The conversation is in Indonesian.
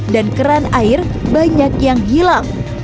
dan keran air banyak yang hilang